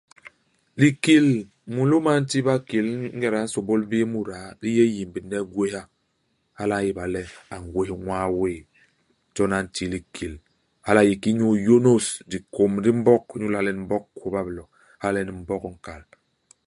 Likil mulôm a nti bakil ingéda a nsômbôl bii mudaa li yé yimbne i gwéha. Hala a ñéba le a ngwés ñwaa wéé. Jon a nti likil. Hala a yé ki inyu iyônôs dikôm di Mbog inyu le hala nyen Mbog kôba i bilo. Hala nyen Mbog i nkal.